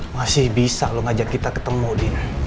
masih bisa lo ngajak kita ketemu din